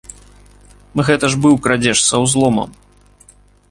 Гэта ж быў крадзеж са ўзломам.